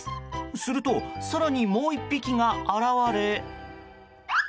すると、更にもう１匹が現れ。